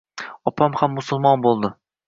Opam ham musulmon bo‘ldi